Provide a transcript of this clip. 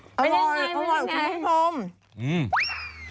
อร่อยอร่อยออกใส่น้ำทมเป็นยังไงเป็นยังไง